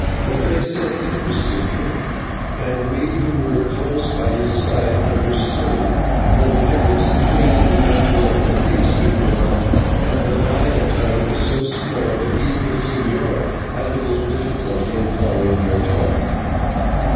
What they said interested him, and we who were close by his side understood it, for the difference between the dialect of these people and the Maya tongue is so small that even the señor had little difficulty in following their talk.